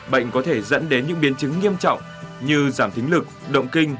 bệnh có thể dẫn đến những biến chứng nghiêm trọng như giảm thính lực động kinh